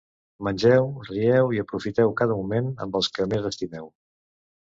Mengeu, rieu i aprofiteu cada moment amb els que més estimeu.